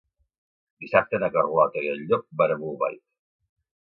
Dissabte na Carlota i en Llop van a Bolbait.